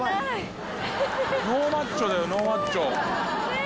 ノーマッチョだよノーマッチョ！